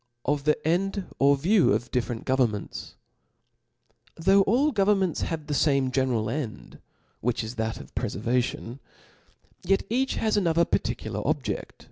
'Of the End or View of different GovernmentSn. nr^ HOUGH all governments have the feme * general end, which is thatof preferv»tion, yet each O F L A W S. 221 each has another particular objed.